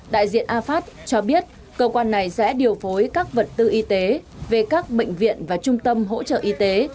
đại diện afast cho biết cơ quan này sẽ điều phối các vật tư y tế về các bệnh viện và trung tâm hỗ trợ y tế